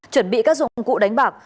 chuẩn bị các dụng cụ đánh bạc